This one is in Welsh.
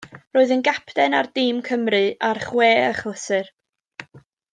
Roedd yn gapten ar dîm Cymru ar chwe achlysur.